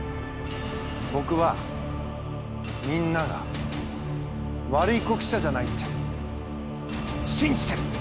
ぼくはみんなが悪い子記者じゃないって信じてる！